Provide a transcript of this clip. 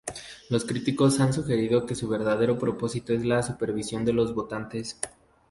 Los críticos han sugerido que su verdadero propósito es la supresión de los votantes.